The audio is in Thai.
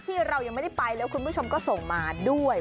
ที่เรายังไม่ได้ไปแล้วคุณผู้ชมก็ส่งมาด้วย